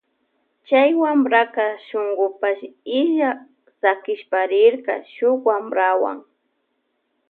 Chay wampraka shungupash illa sakishpa rirka shuk wamprawuan.